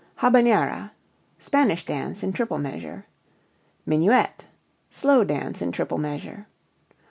Habanera Spanish dance in triple measure. Minuet slow dance in triple measure.